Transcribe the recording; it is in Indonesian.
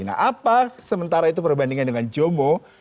nah apa sementara itu perbandingan dengan jomo